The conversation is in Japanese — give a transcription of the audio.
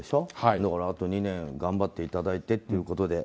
だからあと２年頑張っていただいてということで。